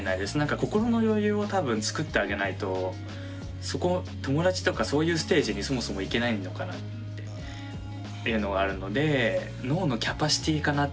心の余裕を多分作ってあげないとそこ友達とかそういうステージにそもそもいけないのかなっていうのがあるので脳のキャパシティーかなって